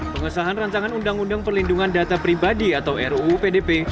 pengesahan rancangan undang undang perlindungan data pribadi atau ruu pdp